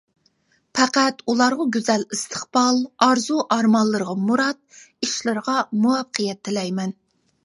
پەقەت ئۇلارغا گۈزەل ئىستىقبال، ئارزۇ-ئارمانلىرىغا مۇراد، ئىشلىرىغا مۇۋەپپەقىيەت تىلەيمەن.